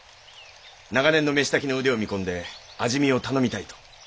長年の飯炊きの腕を見込んで味見を頼みたいと。